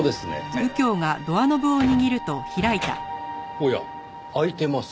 おや開いてます。